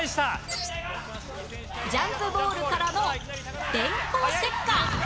ジャンプボールからの電光石火！